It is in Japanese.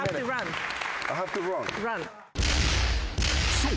［そう。